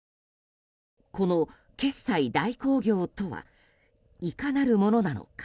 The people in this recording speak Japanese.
この決済代行業とはいかなるものなのか。